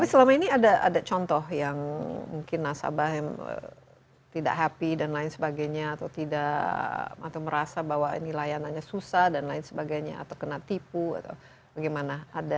tapi selama ini ada contoh yang mungkin nasabah yang tidak happy dan lain sebagainya atau tidak atau merasa bahwa ini layanannya susah dan lain sebagainya atau kena tipu atau bagaimana